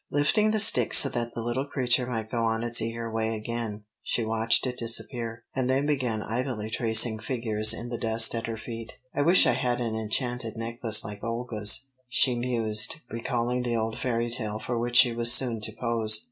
Lifting the stick so that the little creature might go on its eager way again, she watched it disappear, and then began idly tracing figures in the dust at her feet. "I wish I had an enchanted necklace like Olga's," she mused, recalling the old fairy tale for which she was soon to pose.